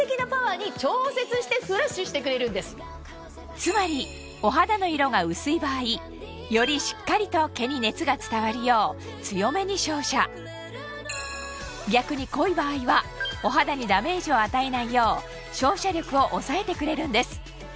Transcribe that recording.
つまりお肌の色が薄い場合よりしっかりと毛に熱が伝わるよう強めに照射逆に濃い場合はお肌にダメージを与えないよう照射力を抑えてくれるんです